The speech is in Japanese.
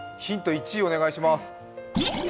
１お願いします。